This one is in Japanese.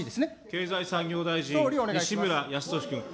経済産業大臣、西村康稔君。